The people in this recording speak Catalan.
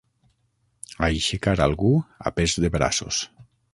Aixecar algú a pes de braços.